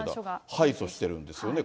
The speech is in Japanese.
敗訴してるんですよね。